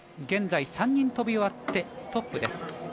現在３人飛び終わってトップです。